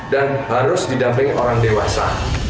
dan harus didampingi orang dewasa